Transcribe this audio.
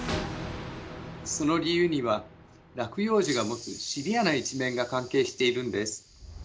その理由には落葉樹が持つシビアな一面が関係しているんです。